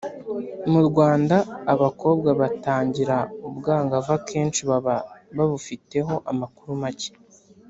mu rwanda, abakobwa batangira ubwangavu akenshi baba babufiteho amakuru make